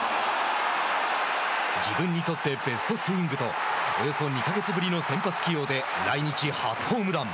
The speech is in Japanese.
自分にとってベストスイングとおよそ２か月ぶりの先発起用で来日初ホームラン。